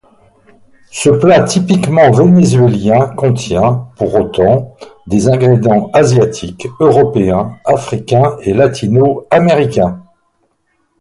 Ce plat typiquement vénézuélien contient, pour autant, des ingrédients asiatiques, européens africains et latino-américains.